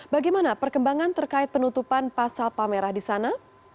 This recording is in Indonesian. bagaimana perkembangan terkait penutupan pasal palmerah di sana